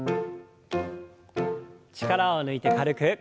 力を抜いて軽く。